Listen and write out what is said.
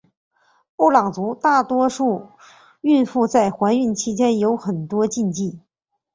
布朗族大多数妇女在怀孕期间有很多禁忌。